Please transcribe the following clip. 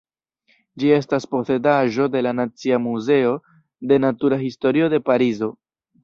Ĝi estas posedaĵo de la Nacia Muzeo de Natura Historio de Parizo.